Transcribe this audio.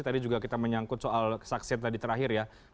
tadi juga kita menyangkut soal kesaksian tadi terakhir ya